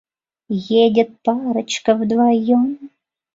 Едет парочка вдвоём!..